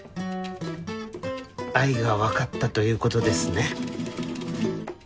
愛が分かったということですね。